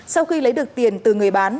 sau khi lấy được tiền từ người bán